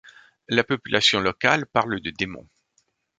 La population locale parle de démons.